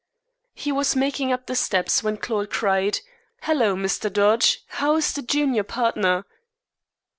He was making up the steps when Claude cried: "Hello, Mr. Dodge, how is the junior partner?"